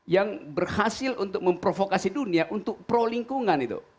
yang berhasil untuk memprovokasi dunia untuk pro lingkungan itu